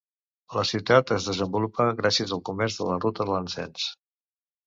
La ciutat es desenvolupa gràcies al comerç de la ruta de l'encens.